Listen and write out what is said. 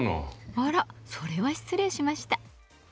あら、それは失礼しました。